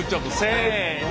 せの。